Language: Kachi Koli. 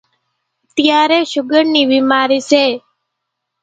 اتيارين شُگر نِي ڀيمارِي سي۔